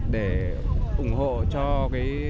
để ủng hộ cho cái